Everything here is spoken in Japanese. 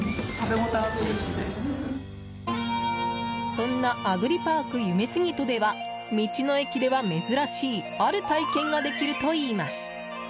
そんなアグリパークゆめすぎとでは道の駅では珍しいある体験ができるといいます。